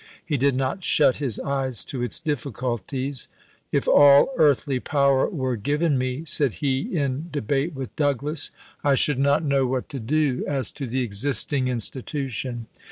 He did not shut his eyes to its difficulties, " If all earthly power were given me," said he in debate with Douglas, " I should not know what to do, as to the existing institution.